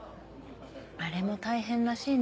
あれも大変らしいね。